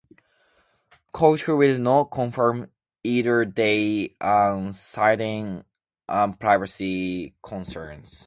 Coulter will not confirm either date, citing privacy concerns.